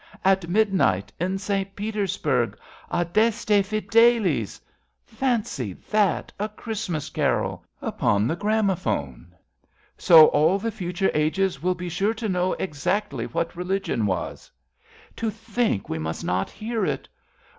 — At midnight in St. Petersburg — Adeste Fideles ! Fancy that ! A Christmas carol Upon the gramophone ! So all the future ages will be sure To know exactly what religion was. 69 RADA To think we must not hear it